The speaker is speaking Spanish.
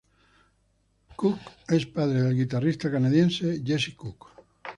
Cook es padre del guitarrista canadiense Jesse Cook.